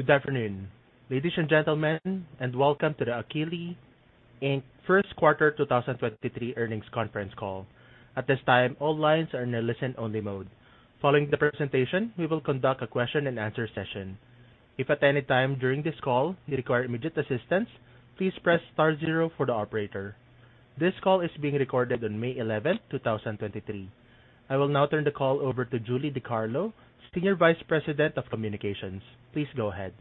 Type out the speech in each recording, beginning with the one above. Good afternoon, ladies and gentlemen, and welcome to the Akili, Inc. first quarter 2023 earnings conference call. At this time, all lines are in a listen-only mode. Following the presentation, we will conduct a question-and-answer session. If at any time during this call you require immediate assistance, please press star zero for the operator. This call is being recorded on May 11, 2023. I will now turn the call over to Julie DiCarlo, Senior Vice President of Communications. Please go ahead.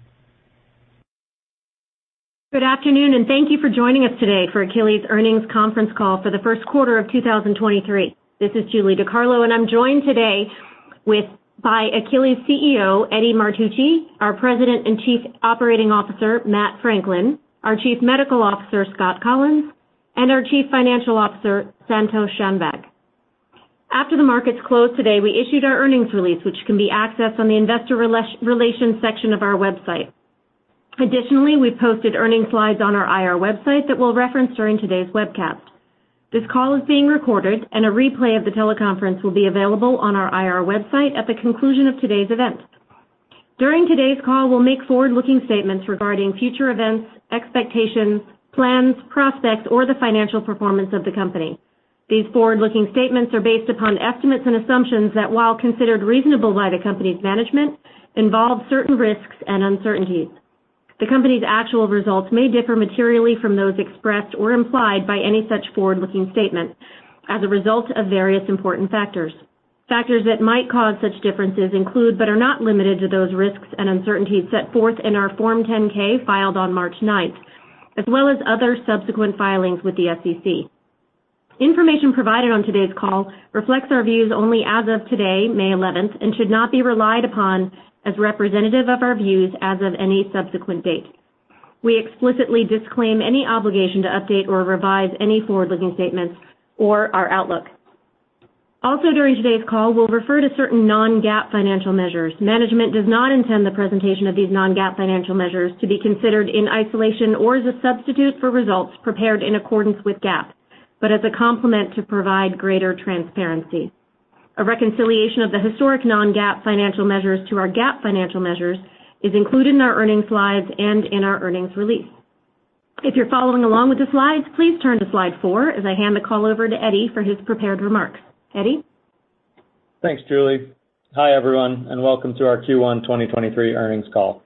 Good afternoon, thank you for joining us today for Akili's earnings conference call for the first quarter of 2023. This is Julie DiCarlo, and I'm joined today by Akili's CEO, Eddie Martucci, our President and Chief Operating Officer, Matt Franklin, our Chief Medical Officer, Scott Kollins, and our Chief Financial Officer, Santosh Shanbhag. After the markets closed today, we issued our earnings release, which can be accessed on the Investor Relations section of our website. Additionally, we posted earnings slides on our IR website that we'll reference during today's webcast. This call is being recorded, and a replay of the teleconference will be available on our IR website at the conclusion of today's event. During today's call, we'll make forward-looking statements regarding future events, expectations, plans, prospects, or the financial performance of the company. These forward-looking statements are based upon estimates and assumptions that, while considered reasonable by the company's management, involve certain risks and uncertainties. The company's actual results may differ materially from those expressed or implied by any such forward-looking statement as a result of various important factors. Factors that might cause such differences include, but are not limited to, those risks and uncertainties set forth in our Form 10-K filed on March 9th, as well as other subsequent filings with the SEC. Information provided on today's call reflects our views only as of today, May 11th, and should not be relied upon as representative of our views as of any subsequent date. We explicitly disclaim any obligation to update or revise any forward-looking statements or our outlook. Also, during today's call, we'll refer to certain non-GAAP financial measures. Management does not intend the presentation of these non-GAAP financial measures to be considered in isolation or as a substitute for results prepared in accordance with GAAP, but as a complement to provide greater transparency. A reconciliation of the historic non-GAAP financial measures to our GAAP financial measures is included in our earnings slides and in our earnings release. If you're following along with the slides, please turn to Slide 4 as I hand the call over to Eddie for his prepared remarks. Eddie? Thanks, Julie. Welcome to our Q1 2023 earnings call.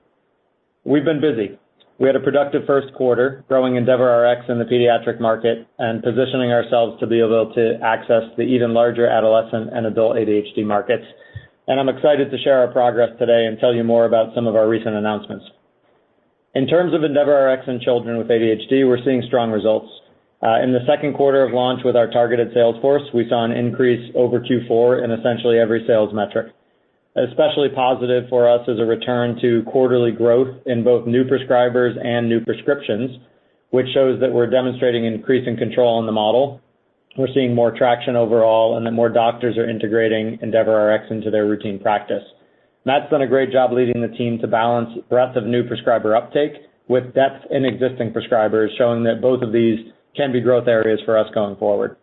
We've been busy. We had a productive first quarter growing EndeavorRx in the pediatric market. Positioning ourselves to be able to access the even larger adolescent and adult ADHD markets. I'm excited to share our progress today and tell you more about some of our recent announcements. In terms of EndeavorRx in children with ADHD, we're seeing strong results. In the second quarter of launch with our targeted sales force, we saw an increase over Q4 in essentially every sales metric. Especially positive for us is a return to quarterly growth in both new prescribers and new prescriptions, which shows that we're demonstrating increasing control in the model. We're seeing more traction overall. That more doctors are integrating EndeavorRx into their routine practice. Matt's done a great job leading the team to balance breadth of new prescriber uptake with depth in existing prescribers, showing that both of these can be growth areas for us going forward.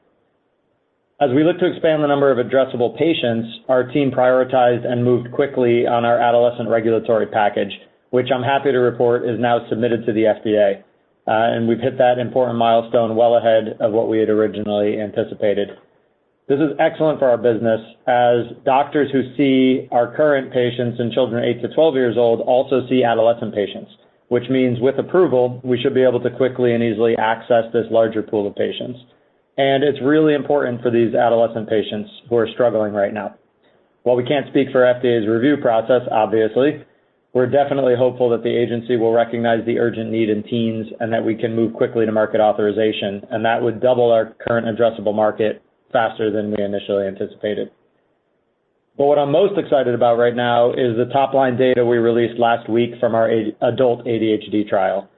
As we look to expand the number of addressable patients, our team prioritized and moved quickly on our adolescent regulatory package, which I'm happy to report is now submitted to the FDA. We've hit that important milestone well ahead of what we had originally anticipated. This is excellent for our business as doctors who see our current patients in children 8 to 12 years old also see adolescent patients, which means with approval, we should be able to quickly and easily access this larger pool of patients. It's really important for these adolescent patients who are struggling right now. While we can't speak for FDA's review process, obviously, we're definitely hopeful that the agency will recognize the urgent need in teens and that we can move quickly to market authorization, and that would double our current addressable market faster than we initially anticipated. What I'm most excited about right now is the top-line data we released last week from our adult ADHD trial.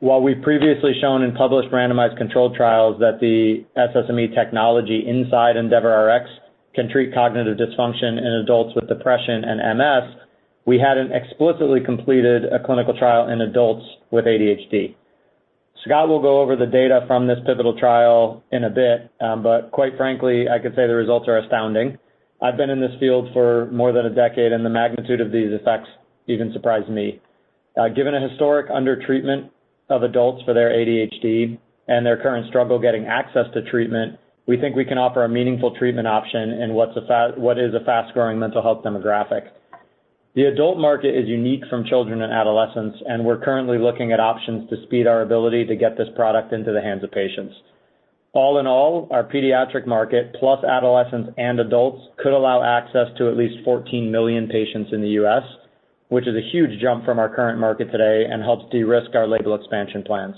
While we've previously shown in published randomized controlled trials that the SSME technology inside EndeavorRx can treat cognitive dysfunction in adults with depression and MS, we hadn't explicitly completed a clinical trial in adults with ADHD. Scott will go over the data from this pivotal trial in a bit, but quite frankly, I could say the results are astounding. I've been in this field for more than a decade, and the magnitude of these effects even surprised me. Given a historic undertreatment of adults for their ADHD and their current struggle getting access to treatment, we think we can offer a meaningful treatment option in what is a fast-growing mental health demographic. The adult market is unique from children and adolescents. We're currently looking at options to speed our ability to get this product into the hands of patients. All in all, our pediatric market, plus adolescents and adults, could allow access to at least 14 million patients in the U.S., which is a huge jump from our current market today and helps de-risk our label expansion plans.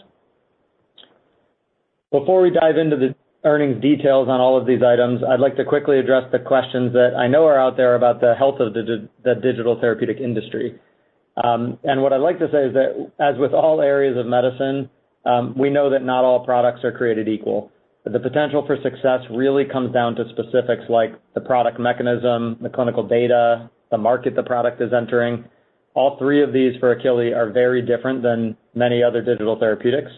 Before we dive into the earnings details on all of these items, I'd like to quickly address the questions that I know are out there about the health of the digital therapeutic industry. What I'd like to say is that as with all areas of medicine, we know that not all products are created equal. The potential for success really comes down to specifics like the product mechanism, the clinical data, the market the product is entering. All three of these for Akili are very different than many other digital therapeutics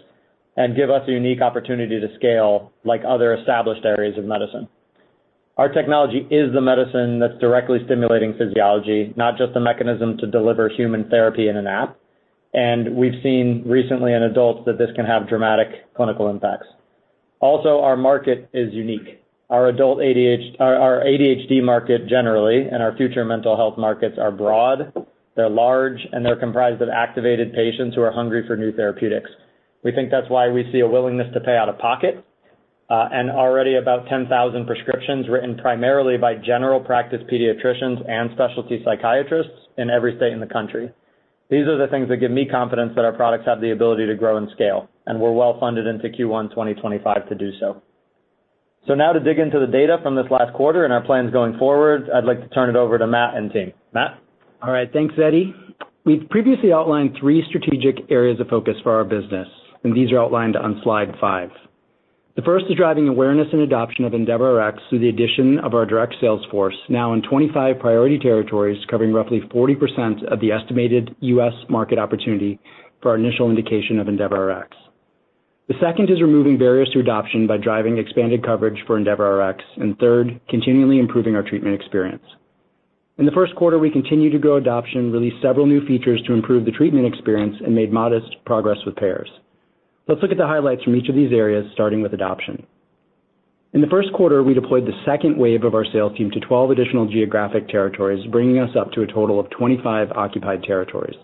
and give us a unique opportunity to scale like other established areas of medicine. Our technology is the medicine that's directly stimulating physiology, not just a mechanism to deliver human therapy in an app. We've seen recently in adults that this can have dramatic clinical impacts. Our market is unique. Our adult ADHD market generally, and our future mental health markets are broad, they're large, and they're comprised of activated patients who are hungry for new therapeutics. We think that's why we see a willingness to pay out of pocket, and already about 10,000 prescriptions written primarily by general practice pediatricians and specialty psychiatrists in every state in the country. These are the things that give me confidence that our products have the ability to grow and scale, and we're well-funded into Q1 2025 to do so. Now to dig into the data from this last quarter and our plans going forward, I'd like to turn it over to Matt and team. Matt? All right. Thanks, Eddie. We've previously outlined three strategic areas of focus for our business, and these are outlined on Slide 5. The first is driving awareness and adoption of EndeavorRx through the addition of our direct sales force, now in 25 priority territories, covering roughly 40% of the estimated U.S. market opportunity for our initial indication of EndeavorRx. The second is removing barriers to adoption by driving expanded coverage for EndeavorRx, and third, continually improving our treatment experience. In the first quarter, we continued to grow adoption, released several new features to improve the treatment experience, and made modest progress with payers. Let's look at the highlights from each of these areas, starting with adoption. In the first quarter, we deployed the second wave of our sales team to 12 additional geographic territories, bringing us up to a total of 25 occupied territories.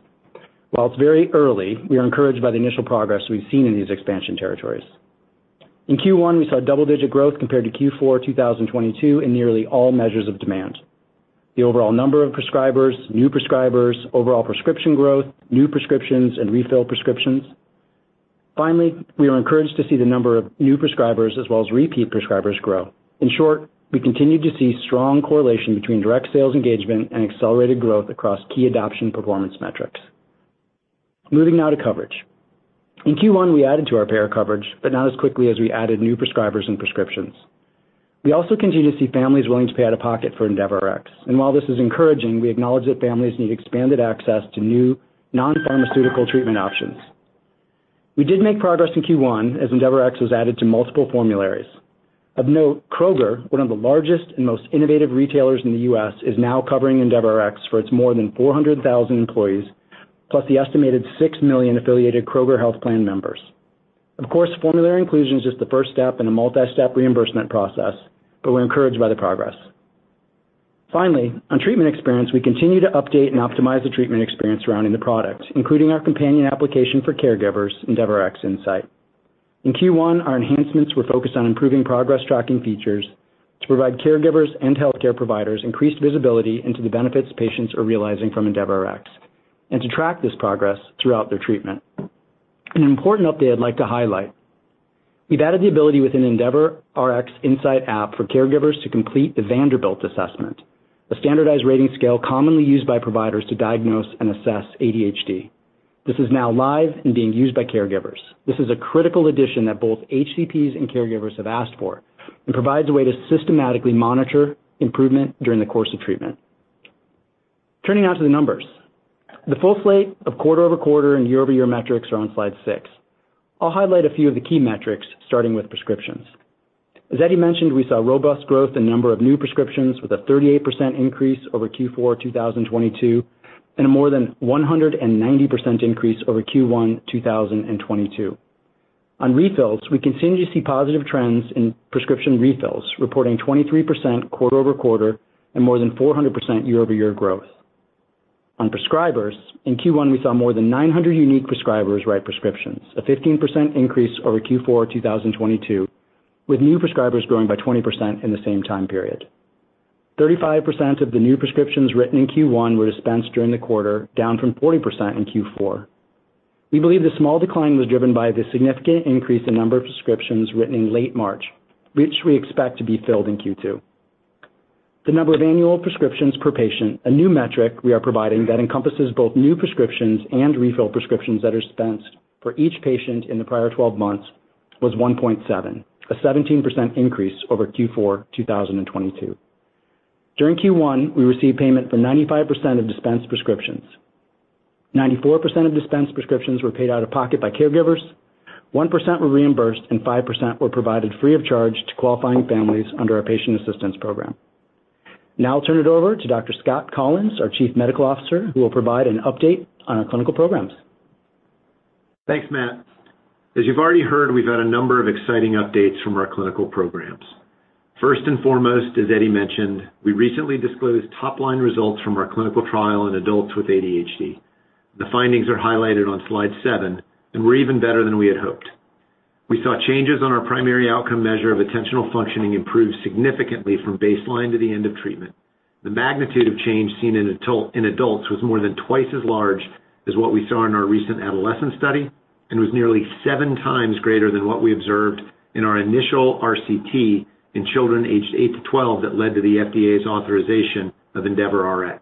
While it's very early, we are encouraged by the initial progress we've seen in these expansion territories. In Q1, we saw double-digit growth compared to Q4 2022 in nearly all measures of demand. The overall number of prescribers, new prescribers, overall prescription growth, new prescriptions, and refill prescriptions. We are encouraged to see the number of new prescribers as well as repeat prescribers grow. In short, we continued to see strong correlation between direct sales engagement and accelerated growth across key adoption performance metrics. Moving now to coverage. In Q1, we added to our payer coverage, but not as quickly as we added new prescribers and prescriptions. We also continue to see families willing to pay out of pocket for EndeavorRx, and while this is encouraging, we acknowledge that families need expanded access to new non-pharmaceutical treatment options. We did make progress in Q1 as EndeavorRx was added to multiple formularies. Of note, Kroger, one of the largest and most innovative retailers in the U.S., is now covering EndeavorRx for its more than 400,000 employees, plus the estimated 6 million affiliated Kroger Health plan members. Of course, formulary inclusion is just the first step in a multi-step reimbursement process, we're encouraged by the progress. Finally, on treatment experience, we continue to update and optimize the treatment experience surrounding the product, including our companion application for caregivers, EndeavorRx Insight. In Q1, our enhancements were focused on improving progress tracking features to provide caregivers and healthcare providers increased visibility into the benefits patients are realizing from EndeavorRx and to track this progress throughout their treatment. An important update I'd like to highlight: we've added the ability within EndeavorRx Insight app for caregivers to complete the Vanderbilt assessment, a standardized rating scale commonly used by providers to diagnose and assess ADHD. This is now live and being used by caregivers. This is a critical addition that both HCPs and caregivers have asked for and provides a way to systematically monitor improvement during the course of treatment. Turning now to the numbers. The full slate of quarter-over-quarter and year-over-year metrics are on Slide 6. I'll highlight a few of the key metrics, starting with prescriptions. As Eddie mentioned, we saw robust growth in number of new prescriptions, with a 38% increase over Q4 2022 and a more than 190% increase over Q1 2022. On refills, we continue to see positive trends in prescription refills, reporting 23% quarter-over-quarter and more than 400% year-over-year growth. On prescribers, in Q1, we saw more than 900 unique prescribers write prescriptions, a 15% increase over Q4 2022, with new prescribers growing by 20% in the same time period. 35% of the new prescriptions written in Q1 were dispensed during the quarter, down from 40% in Q4. We believe the small decline was driven by the significant increase in number of prescriptions written in late March, which we expect to be filled in Q2. The number of annual prescriptions per patient, a new metric we are providing that encompasses both new prescriptions and refill prescriptions that are dispensed for each patient in the prior 12 months, was 1.7, a 17% increase over Q4 2022. During Q1, we received payment for 95% of dispensed prescriptions. 94% of dispensed prescriptions were paid out of pocket by caregivers, 1% were reimbursed, 5% were provided free of charge to qualifying families under our patient assistance program. I'll turn it over to Dr. Scott Kollins, our Chief Medical Officer, who will provide an update on our clinical programs. Thanks, Matt. As you've already heard, we've had a number of exciting updates from our clinical programs. First and foremost, as Eddie mentioned, we recently disclosed top-line results from our clinical trial in adults with ADHD. The findings are highlighted on Slide 7 and were even better than we had hoped. We saw changes on our primary outcome measure of attentional functioning improve significantly from baseline to the end of treatment. The magnitude of change seen in adults was more than twice as large as what we saw in our recent adolescent study and was nearly 7x greater than what we observed in our initial RCT in children aged 8 to 12 that led to the FDA's authorization of EndeavorRx.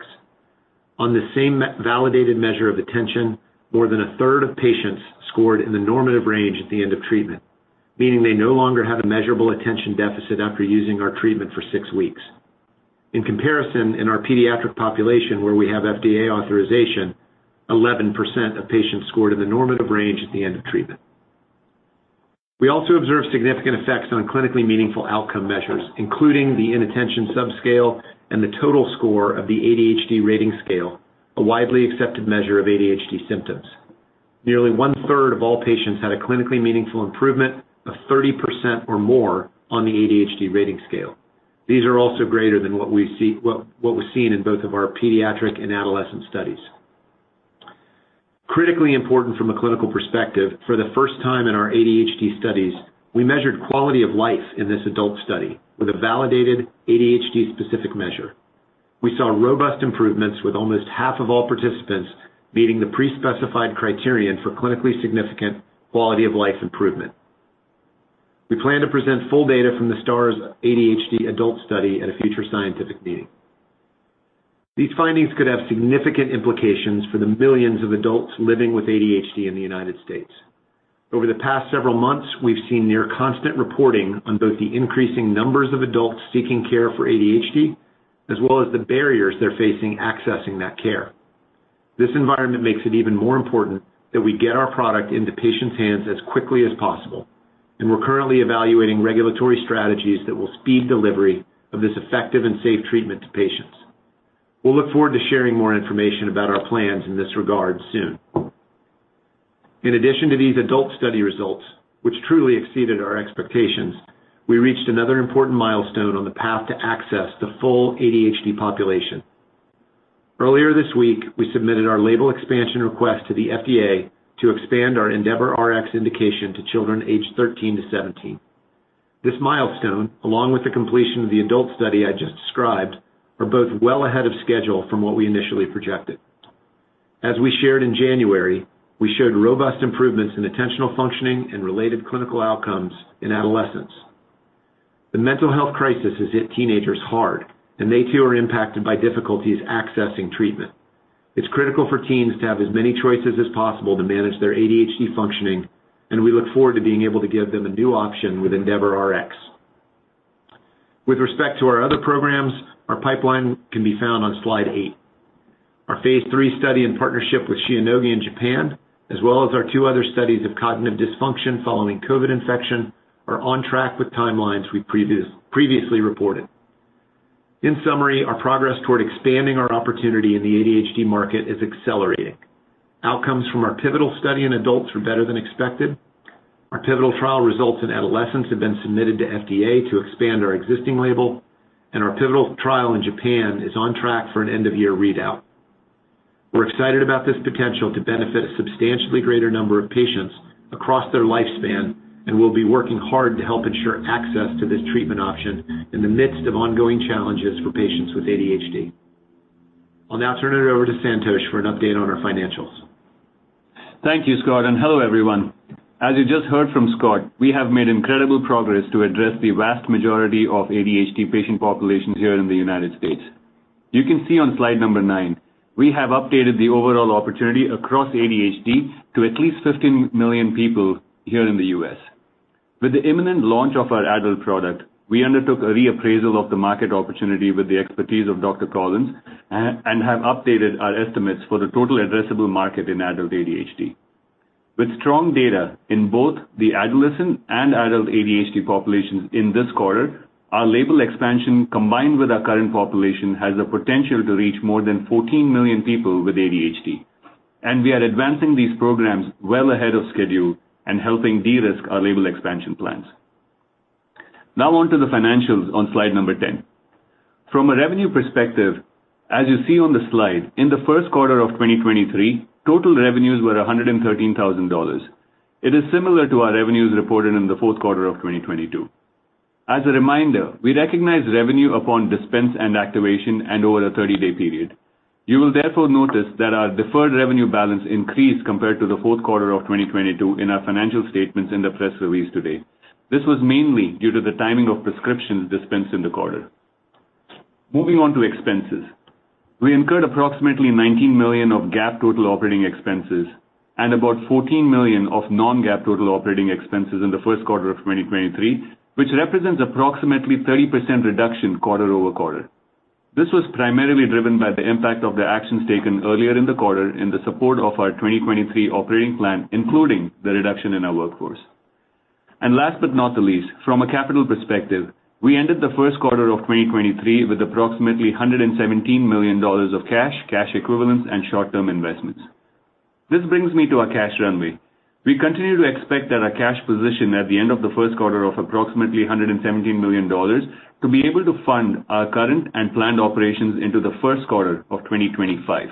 On the same validated measure of attention, more than a third of patients scored in the normative range at the end of treatment, meaning they no longer had a measurable attention deficit after using our treatment for six weeks. In comparison, in our pediatric population, where we have FDA authorization, 11% of patients scored in the normative range at the end of treatment. We also observed significant effects on clinically meaningful outcome measures, including the inattention subscale and the total score of the ADHD Rating Scale, a widely accepted measure of ADHD symptoms. Nearly one-third of all patients had a clinically meaningful improvement of 30% or more on the ADHD Rating Scale. These are also greater than what was seen in both of our pediatric and adolescent studies. Critically important from a clinical perspective, for the first time in our ADHD studies, we measured quality of life in this adult study with a validated ADHD specific measure. We saw robust improvements with almost half of all participants meeting the pre-specified criterion for clinically significant quality of life improvement. We plan to present full data from the STARS-ADHD adult study at a future scientific meeting. These findings could have significant implications for the millions of adults living with ADHD in the United States. Over the past several months, we've seen near constant reporting on both the increasing numbers of adults seeking care for ADHD, as well as the barriers they're facing accessing that care. This environment makes it even more important that we get our product into patients' hands as quickly as possible, and we're currently evaluating regulatory strategies that will speed delivery of this effective and safe treatment to patients. We'll look forward to sharing more information about our plans in this regard soon. In addition to these adult study results, which truly exceeded our expectations, we reached another important milestone on the path to access the full ADHD population. Earlier this week, we submitted our label expansion request to the FDA to expand our EndeavorRx indication to children aged 13 to 17. This milestone, along with the completion of the adult study I just described, are both well ahead of schedule from what we initially projected. As we shared in January, we showed robust improvements in attentional functioning and related clinical outcomes in adolescents. The mental health crisis has hit teenagers hard. They too are impacted by difficulties accessing treatment. It's critical for teens to have as many choices as possible to manage their ADHD functioning, and we look forward to being able to give them a new option with EndeavorRx. With respect to our other programs, our pipeline can be found on Slide 8. Our Phase 3 study in partnership with Shionogi in Japan, as well as our two other studies of cognitive dysfunction following COVID infection, are on track with timelines we previously reported. In summary, our progress toward expanding our opportunity in the ADHD market is accelerating. Outcomes from our pivotal study in adults were better than expected. Our pivotal trial results in adolescents have been submitted to FDA to expand our existing label, and our pivotal trial in Japan is on track for an end-of-year readout. We're excited about this potential to benefit a substantially greater number of patients across their lifespan, and we'll be working hard to help ensure access to this treatment option in the midst of ongoing challenges for patients with ADHD. I'll now turn it over to Santosh for an update on our financials. Thank you, Scott, and hello, everyone. As you just heard from Scott, we have made incredible progress to address the vast majority of ADHD patient populations here in the United States. You can see on slide number nine, we have updated the overall opportunity across ADHD to at least 15 million people here in the U.S. With the imminent launch of our adult product, we undertook a reappraisal of the market opportunity with the expertise of Dr. Kollins and have updated our estimates for the total addressable market in adult ADHD. With strong data in both the adolescent and adult ADHD populations in this quarter, our label expansion combined with our current population has the potential to reach more than 14 million people with ADHD. We are advancing these programs well ahead of schedule and helping de-risk our label expansion plans. On to the financials on Slide 10. From a revenue perspective, as you see on the slide, in the first quarter of 2023, total revenues were $113,000. It is similar to our revenues reported in the fourth quarter of 2022. As a reminder, we recognize revenue upon dispense and activation and over a 30-day period. You will therefore notice that our deferred revenue balance increased compared to the fourth quarter of 2022 in our financial statements in the press release today. This was mainly due to the timing of prescriptions dispensed in the quarter. Moving on to expenses. We incurred approximately $19 million of GAAP total operating expenses and about $14 million of non-GAAP total operating expenses in the first quarter of 2023, which represents approximately 30% reduction quarter-over-quarter. This was primarily driven by the impact of the actions taken earlier in the quarter in the support of our 2023 operating plan, including the reduction in our workforce. Last but not the least, from a capital perspective, we ended the first quarter of 2023 with approximately $117 million of cash equivalents, and short-term investments. This brings me to our cash runway. We continue to expect that our cash position at the end of the first quarter of approximately $117 million to be able to fund our current and planned operations into the first quarter of 2025.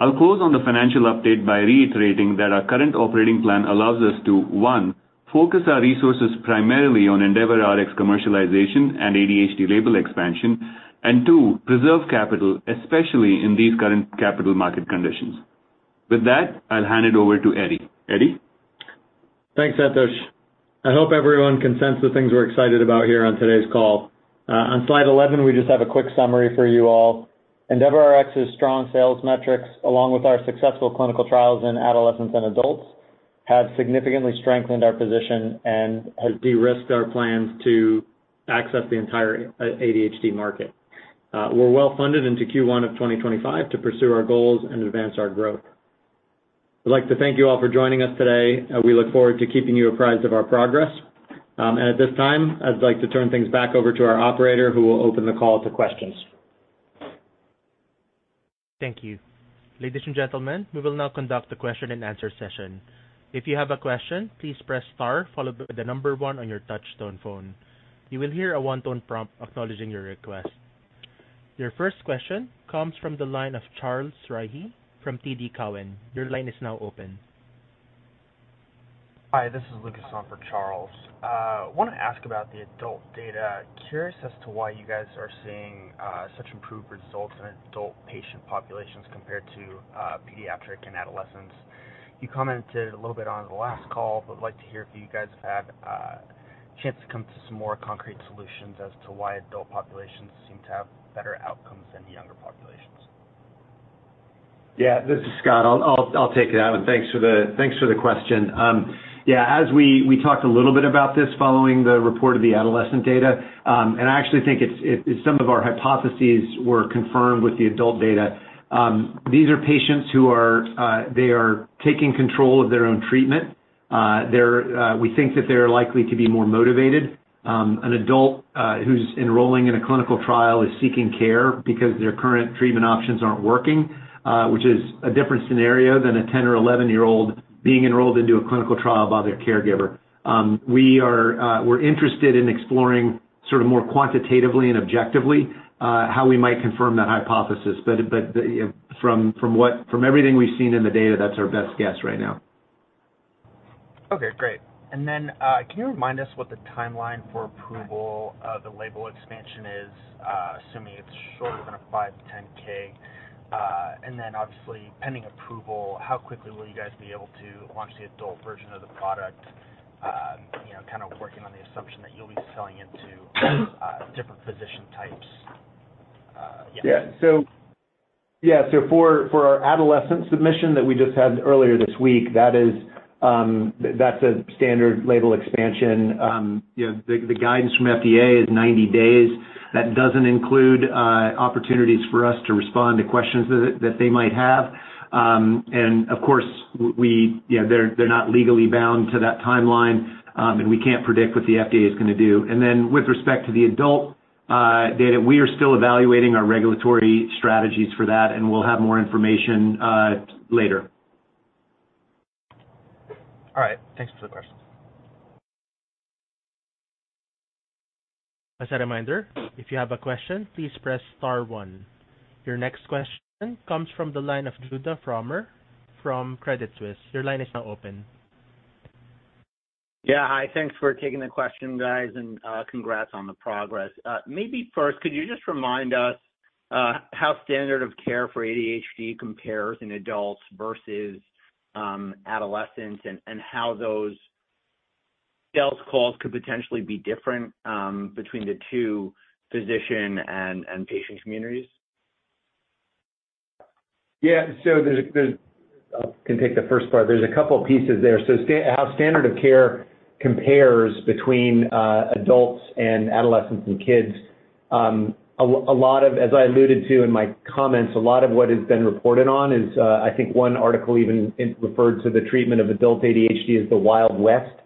I'll close on the financial update by reiterating that our current operating plan allows us to, one, focus our resources primarily on EndeavorRx commercialization and ADHD label expansion. Two, preserve capital, especially in these current capital market conditions. With that, I'll hand it over to Eddie. Eddie? Thanks, Santosh. I hope everyone can sense the things we're excited about here on today's call. On Slide 11, we just have a quick summary for you all. EndeavorRx's strong sales metrics, along with our successful clinical trials in adolescents and adults, have significantly strengthened our position and has de-risked our plans to access the entire ADHD market. We're well-funded into Q1 of 2025 to pursue our goals and advance our growth. I'd like to thank you all for joining us today. We look forward to keeping you apprised of our progress. At this time, I'd like to turn things back over to our operator, who will open the call to questions. Thank you. Ladies and gentlemen, we will now conduct a question-and-answer session. If you have a question, please press star followed by the Number 1 on your touch tone phone. You will hear a one-tone prompt acknowledging your request. Your first question comes from the line of Charles Rhyee from TD Cowen. Your line is now open. Hi, this is Lucas on for Charles. Want to ask about the adult data. Curious as to why you guys are seeing such improved results in adult patient populations compared to pediatric and adolescents. You commented a little bit on the last call, like to hear if you guys have chance to come to some more concrete solutions as to why adult populations seem to have better outcomes than younger populations. Yeah, this is Scott. I'll take that. Thanks for the question. Yeah, as we talked a little bit about this following the report of the adolescent data. I actually think some of our hypotheses were confirmed with the adult data. These are patients who are they are taking control of their own treatment. They're we think that they're likely to be more motivated. An adult who's enrolling in a clinical trial is seeking care because their current treatment options aren't working, which is a different scenario than a 10 or 11-year-old being enrolled into a clinical trial by their caregiver. We are we're interested in exploring sort of more quantitatively and objectively how we might confirm that hypothesis. From everything we've seen in the data, that's our best guess right now. Okay, great. Can you remind us what the timeline for approval of the label expansion is, assuming it's shorter than a 510(k)? Obviously pending approval, how quickly will you guys be able to launch the adult version of the product? You know, kind of working on the assumption that you'll be selling into different physician types. Yeah. Yeah. For our adolescent submission that we just had earlier this week, that is, that's a standard label expansion. You know, the guidance from FDA is 90 days. That doesn't include opportunities for us to respond to questions that they might have. Of course, they're not legally bound to that timeline. We can't predict what the FDA is gonna do. With respect to the adult data, we are still evaluating our regulatory strategies for that, and we'll have more information later. All right. Thanks for the question. As a reminder, if you have a question, please press star one. Your next question comes from the line of Judah Frommer from Credit Suisse. Your line is now open. Yeah. Hi. Thanks for taking the question, guys, and congrats on the progress. Maybe first, could you just remind us how standard of care for ADHD compares in adults versus adolescents and how those sales calls could potentially be different between the two physician and patient communities? I can take the first part. There's a couple of pieces there. How standard of care compares between adults and adolescents and kids. As I alluded to in my comments, a lot of what has been reported on is, I think one article even referred to the treatment of adult ADHD as the Wild West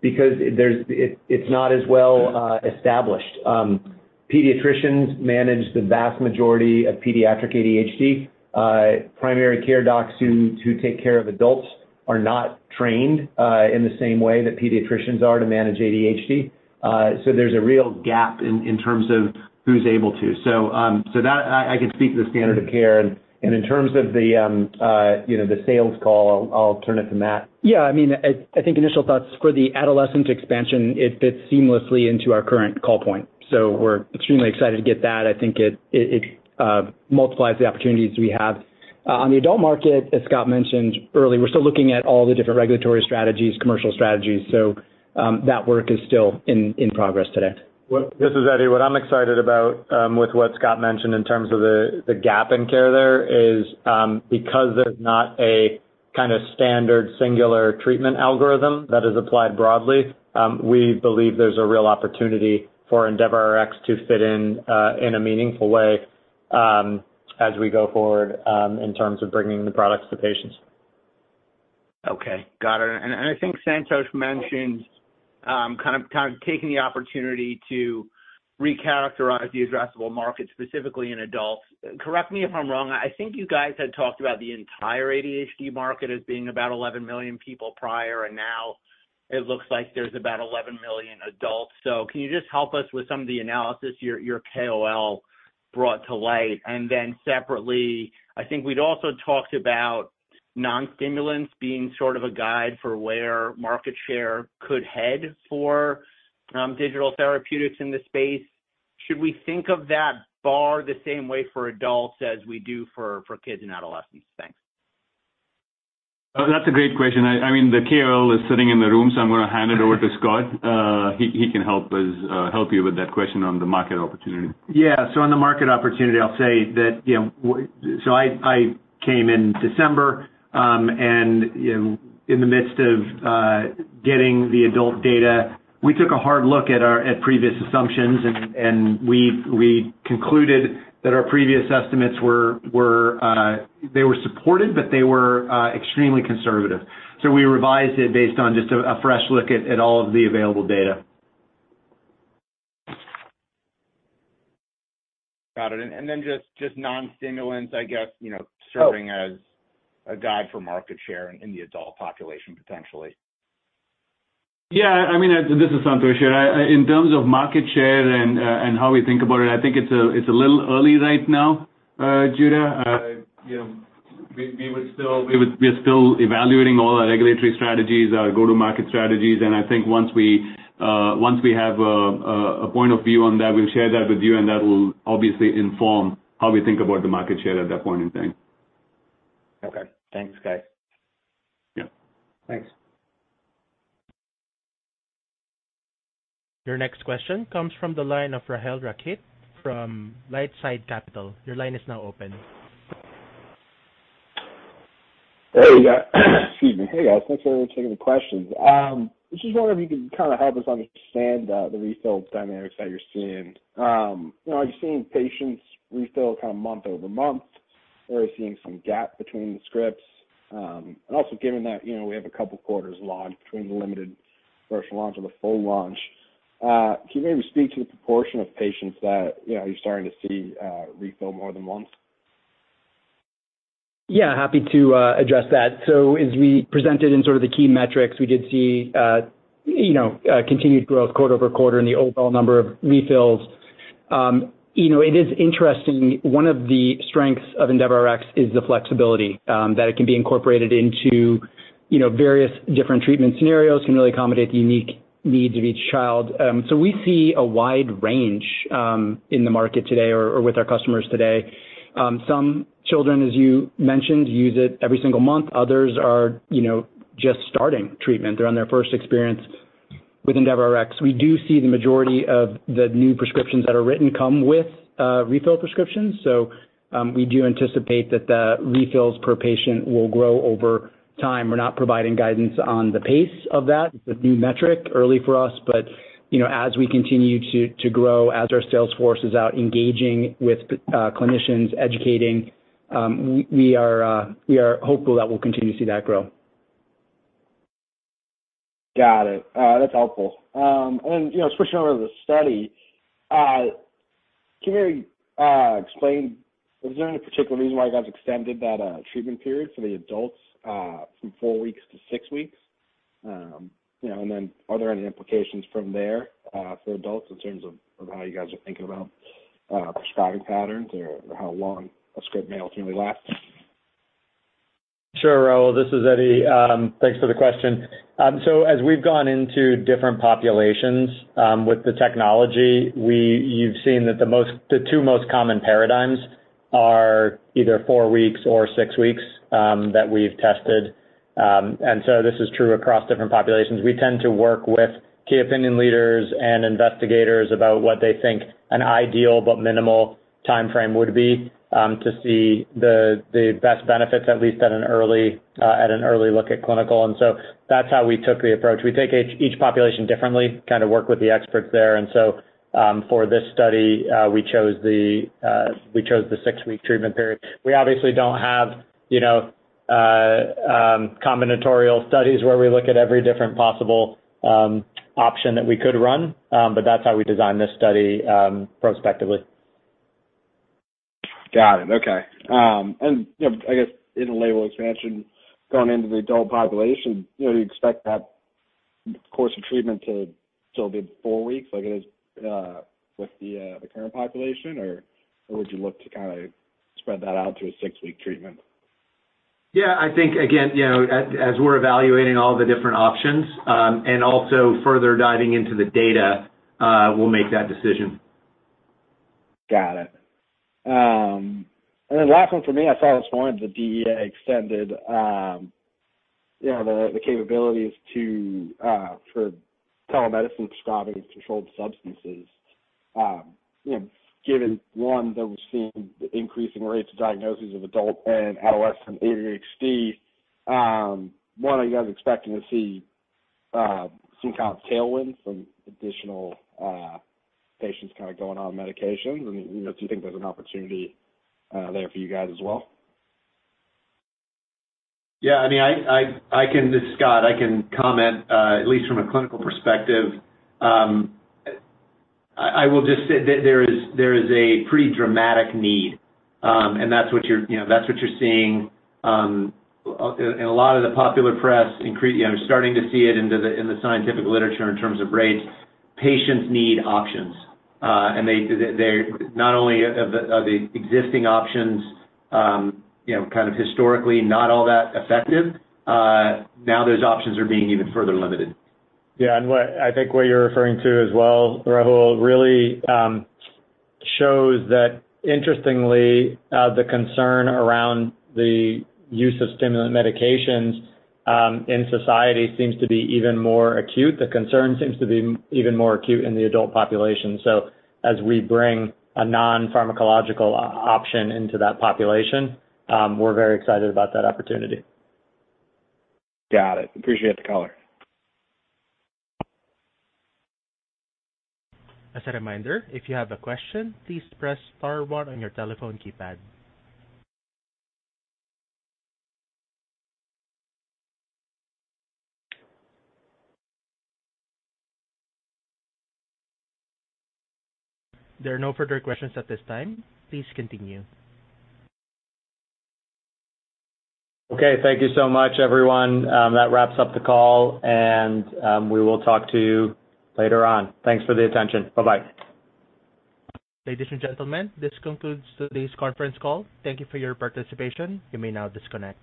because it's not as well established. Pediatricians manage the vast majority of pediatric ADHD. Primary care docs who take care of adults are not trained in the same way that pediatricians are to manage ADHD. There's a real gap in terms of who's able to. That I can speak to the standard of care. In terms of the, you know, the sales call, I'll turn it to Matt. Yeah. I mean, I think initial thoughts for the adolescent expansion, it fits seamlessly into our current call point. We're extremely excited to get that. I think it multiplies the opportunities we have. On the adult market, as Scott mentioned earlier, we're still looking at all the different regulatory strategies, commercial strategies. That work is still in progress today. Well, this is Eddie. What I'm excited about, with what Scott mentioned in terms of the gap in care there is, because there's not a kind of standard singular treatment algorithm that is applied broadly, we believe there's a real opportunity for EndeavorRx to fit in a meaningful way, as we go forward, in terms of bringing the products to patients. Okay. Got it. I think Santosh mentioned kind of taking the opportunity to recharacterize the addressable market, specifically in adults. Correct me if I'm wrong, I think you guys had talked about the entire ADHD market as being about 11 million people prior, and now it looks like there's about 11 million adults. Can you just help us with some of the analysis your KOL brought to light? Then separately, I think we'd also talked about non-stimulants being sort of a guide for where market share could head for digital therapeutics in this space. Should we think of that bar the same way for adults as we do for kids and adolescents? Thanks. Oh, that's a great question. I mean, the KOL is sitting in the room, so I'm gonna hand it over to Scott. He can help us help you with that question on the market opportunity. Yeah. On the market opportunity, I'll say that, you know, so I came in December, and, you know, in the midst of getting the adult data, we took a hard look at our previous assumptions and we concluded that our previous estimates were, they were supported, but they were extremely conservative. We revised it based on just a fresh look at all of the available data. Got it. Just non-stimulants, I guess, you know. Oh. Serving as a guide for market share in the adult population potentially. Yeah, I mean, this is Santosh here. In terms of market share and how we think about it, I think it's a little early right now, Judah. You know, we would still, we are still evaluating all our regulatory strategies, our go-to-market strategies. I think once we, once we have a point of view on that, we'll share that with you, and that will obviously inform how we think about the market share at that point in time. Okay. Thanks, guys. Yeah. Thanks. Your next question comes from the line of Rahul Rai from LifeSci Capital. Your line is now open. Hey, guys. Excuse me. Hey, guys. Thanks for taking the questions. Just wondering if you could kind of help us understand the refill dynamics that you're seeing. Are you seeing patients refill kind of month-over-month, or are you seeing some gap between the scripts? Also given that, you know, we have a couple quarters launched between the limited first launch and the full launch, can you maybe speak to the proportion of patients that, you know, you're starting to see refill more than once? Happy to address that. As we presented in sort of the key metrics, we did see continued growth quarter-over-quarter in the overall number of refills. It is interesting. One of the strengths of EndeavorRx is the flexibility that it can be incorporated into various different treatment scenarios, can really accommodate the unique needs of each child. We see a wide range in the market today or with our customers today. Some children, as you mentioned, use it every single month, others are just starting treatment. They're on their first experience with EndeavorRx. We do see the majority of the new prescriptions that are written come with refill prescriptions. We do anticipate that the refills per patient will grow over time. We're not providing guidance on the pace of that. It's a new metric early for us. You know, as we continue to grow, as our sales force is out engaging with clinicians, educating, we are hopeful that we'll continue to see that grow. Got it. That's helpful. You know, switching over to the study, can you explain, is there any particular reason why you guys extended that treatment period for the adults from 4 weeks to 6 weeks? You know, are there any implications from there for adults in terms of how you guys are thinking about prescribing patterns or how long a script may ultimately last? Sure, Rahul. This is Eddie. Thanks for the question. As we've gone into different populations, with the technology, You've seen that the most, the two most common paradigms are either four weeks or six weeks, that we've tested. This is true across different populations. We tend to work with key opinion leaders and investigators about what they think an ideal but minimal timeframe would be, to see the best benefits, at least at an early look at clinical. That's how we took the approach. We take each population differently, kind of work with the experts there. For this study, we chose the six-week treatment period. We obviously don't have, you know, combinatorial studies where we look at every different possible, option that we could run. That's how we designed this study, prospectively. Got it. Okay. You know, I guess in the label expansion going into the adult population, you know, do you expect that course of treatment to still be four weeks like it is with the current population, or would you look to kind of spread that out to a six-week treatment? Yeah, I think again, you know, as we're evaluating all the different options, and also further diving into the data, we'll make that decision. Got it. Then last one for me. I saw this morning the DEA extended, you know, the capabilities to for telemedicine prescribing controlled substances. You know, given, one, that we've seen the increasing rates of diagnosis of adult and adolescent ADHD, what are you guys expecting to see some kind of tailwind from additional patients kind of going on medications? You know, do you think there's an opportunity there for you guys as well? Yeah, I mean, I can. This is Scott. I can comment, at least from a clinical perspective. I will just say that there is a pretty dramatic need, that's what you're, you know, that's what you're seeing in a lot of the popular press, starting to see it in the scientific literature in terms of rates. Patients need options. They not only are the existing options, you know, kind of historically not all that effective, now those options are being even further limited. Yeah. I think what you're referring to as well, Rahul, really shows that interestingly, the concern around the use of stimulant medications in society seems to be even more acute. The concern seems to be even more acute in the adult population. As we bring a non-pharmacological option into that population, we're very excited about that opportunity. Got it. Appreciate the color. As a reminder, if you have a question, please press star one on your telephone keypad. There are no further questions at this time. Please continue. Okay, thank you so much, everyone. That wraps up the call. We will talk to you later on. Thanks for the attention. Bye-bye. Ladies and gentlemen, this concludes today's conference call. Thank you for your participation. You may now disconnect.